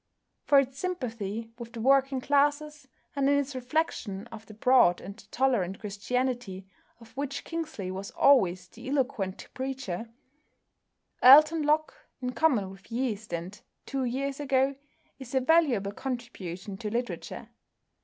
For its sympathy with the working classes, and in its reflection of the broad and tolerant Christianity of which Kingsley was always the eloquent preacher, "Alton Locke," in common with "Yeast" and "Two Years Ago," is a valuable contribution to literature.